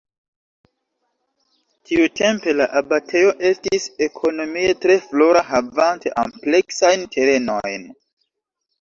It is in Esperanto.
Tiutempe la abatejo estis ekonomie tre flora havante ampleksajn terenojn.